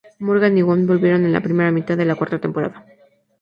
Morgan y Wong volvieron en la primera mitad de la cuarta temporada.